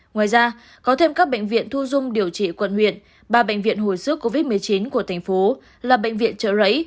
ngoài ra có thêm các bệnh viện thu dung điều trị quận huyện ba bệnh viện hồi sức covid một mươi chín của thành phố là bệnh viện trợ rẫy